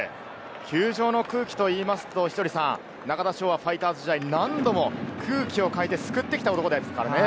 球場の空気といいますと稀哲さん、中田翔はファイターズ試合、何度も空気を変えて救ってきた男ですからね。